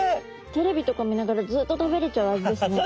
テレビとか見ながらずっと食べれちゃう味ですね。